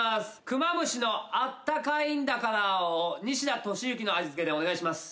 クマムシの『あったかいんだからぁ』を西田敏行の味付けでお願いします。